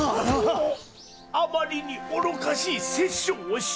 あまりに愚かしい殺生をしたと。